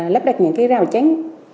lắp đặt những rào chén